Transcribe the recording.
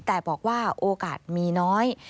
แต่บอกว่าโอกาสมีน้อย